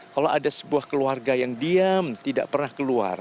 kalau ada sebuah keluarga yang diam tidak pernah keluar